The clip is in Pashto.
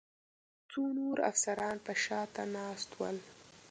څو نور افسران به شا ته ناست ول.